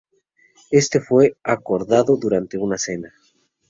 Éste fue acordado durante una cena.